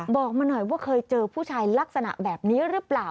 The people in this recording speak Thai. บอกมาหน่อยว่าเคยเจอผู้ชายลักษณะแบบนี้หรือเปล่า